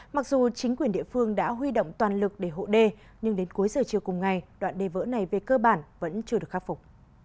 mặc dù chính quyền địa phương đã huy động toàn lực để hộ đê nhưng đến cuối giờ chiều cùng ngày đoạn đê vỡ này về cơ bản vẫn chưa được khắc phục